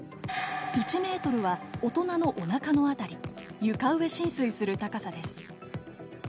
１ｍは大人のおなかの辺り床上浸水する高さです。